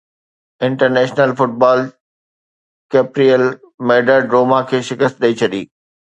international champion football ڪيپريئل Madrid Roma کي شڪست ڏئي ڇڏي